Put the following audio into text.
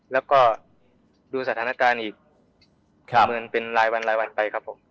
แล้วก็ดูสถานการณ์อีกประเมินเป็นรายวันรายวันไปครับผม